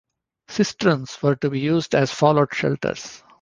Cisterns were to be used as fallout shelters.